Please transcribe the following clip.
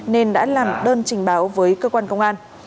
nên đã làm đơn trình báo với cơ quan công an